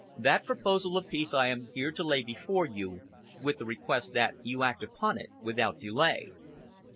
That proposal of peace I am here to lay before you, with the request that you act upon it without delay."